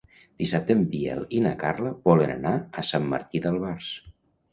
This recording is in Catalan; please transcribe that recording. Dissabte en Biel i na Carla volen anar a Sant Martí d'Albars.